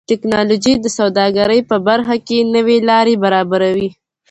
ټکنالوژي د سوداګرۍ په برخه کې نوې لارې برابروي.